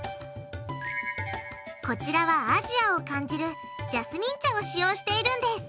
こちらはアジアを感じるジャスミン茶を使用しているんです。